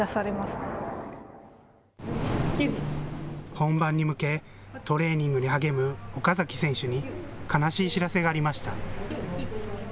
本番に向けトレーニングに励む岡崎選手に悲しい知らせがありました。